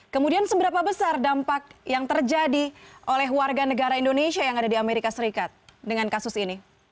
kemudian seberapa besar dampak yang terjadi oleh warga negara indonesia yang ada di amerika serikat dengan kasus ini